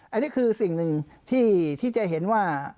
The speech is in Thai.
อันนี้คือสิ่งหนึ่งที่จะเห็นว่า